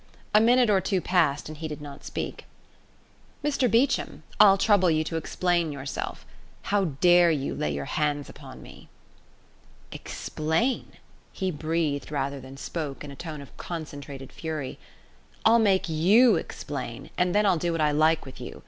A minute or two passed and he did not speak. "Mr Beecham, I'll trouble you to explain yourself. How dare you lay your hands upon me?" "Explain!" he breathed rather than spoke, in a tone of concentrated fury. "I'll make you explain, and I'll do what I like with you.